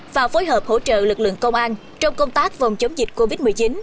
và phối hợp hỗ trợ lực lượng công an trong công tác phòng chống dịch covid một mươi chín